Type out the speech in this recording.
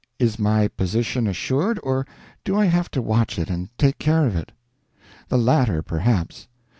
Is my position assured, or do I have to watch it and take care of it? The latter, perhaps.